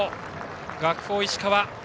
学法石川